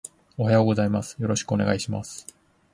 おはようございます。よろしくお願いします